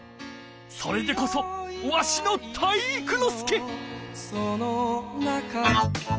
それでこそわしの体育ノ介！